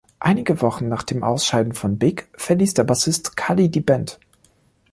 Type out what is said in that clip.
Einige Wochen nach dem Ausscheiden von Big verließ der Bassist Kalli die Band.